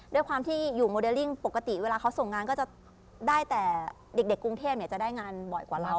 ด้วยความที่อยู่โมเดลลิ่งปกติเวลาเขาส่งงานก็จะได้แต่เด็กกรุงเทพจะได้งานบ่อยกว่าเรา